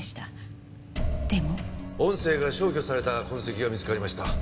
音声が消去された痕跡が見つかりました。